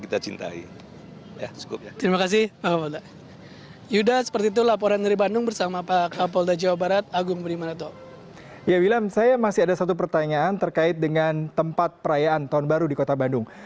bagaimana dengan kota bandung